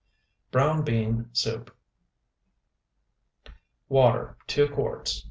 BROWN BEAN SOUP Water, 2 quarts.